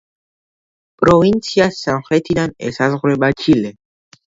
პროვინციას სამხრეთიდან ესაზღვრება ჩილე.